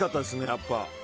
やっぱり。